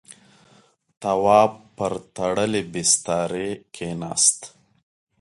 تواب پر تړلی بسترې کېناست.